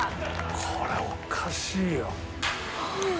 これおかしいよ。